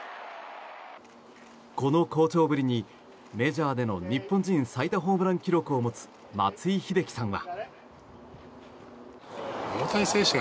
この好調ぶりにメジャーでの日本人最多ホームラン記録を持つ松井秀喜さんは。